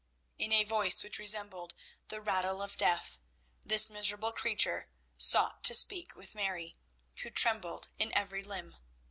In a voice which resembled the rattle of death, this miserable creature sought to speak with Mary, who trembled in every limb.